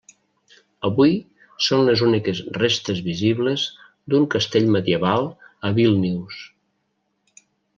Avui són les úniques restes visibles d'un castell medieval a Vílnius.